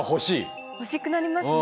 欲しくなりますね。